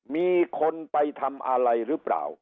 มีคนไปทำอะไรหรือเปล่า